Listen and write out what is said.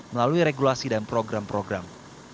melalui regulasi dan program program